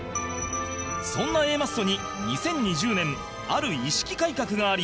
そんな Ａ マッソに２０２０年ある意識改革があり